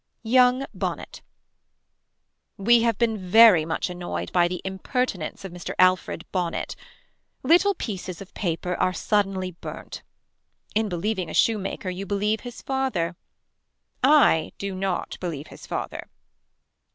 Young Bonnet. We have been very much annoyed by the impertinence of Mr. Alfred Bonnet. Little pieces of paper are suddenly burnt. In believing a shoe maker you believe his father. I do not believe his father.